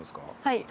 はい。